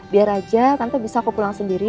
biar aja tante bisa aku pulang sendiri